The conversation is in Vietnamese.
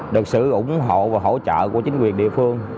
được sự ủng hộ và hỗ trợ của chính quyền địa phương